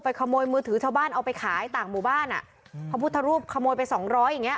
ขโมยมือถือชาวบ้านเอาไปขายต่างหมู่บ้านอ่ะพระพุทธรูปขโมยไปสองร้อยอย่างเงี้